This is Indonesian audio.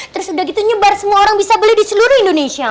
terus udah gitu nyebar semua orang bisa beli di seluruh indonesia